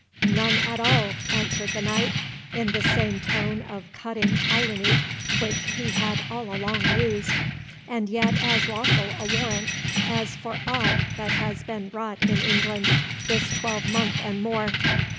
"None at all," answered the knight, in the same tone of cutting irony which he had all along used, "and yet as lawful a warrant, as for aught that has been wrought in England this twelvemonth and more.